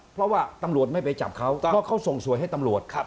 เพราะว่าตำรวจไม่ไปจับเขาเพราะเขาส่งสวยให้ตำรวจ